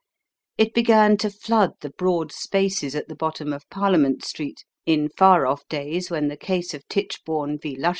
It began to flood the broad spaces at the bottom of Parliament Street in far off days when the case of Tichborne _v.